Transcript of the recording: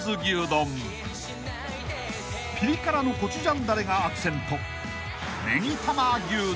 ［ぴり辛のコチュジャンだれがアクセント］